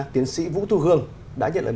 tiến sĩ vũ thu hương đã nhận lời